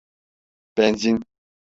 Benzin…